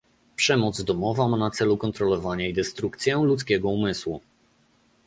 Przemoc domowa ma na celu kontrolowanie i destrukcję ludzkiego umysłu